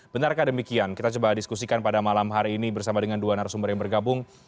benarkah demikian kita coba diskusikan pada malam hari ini bersama dengan dua narasumber yang bergabung